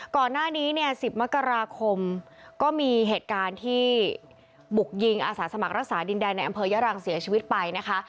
ก่อนหน้านี้เนี่ย๑๐มกราคมก็มีเหตุการณ์ที่บุกยิงอาสาสมัครรักษาดินแดนในอำเภอยะรังเสียชีวิตไปนะคะ